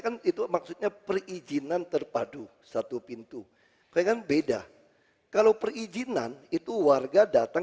kan itu maksudnya perizinan terpadu satu pintu dengan beda kalau perizinan itu warga datang